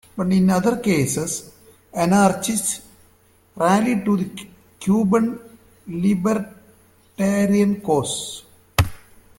But in other cases, anarchists rallied to the Cuban libertarian cause.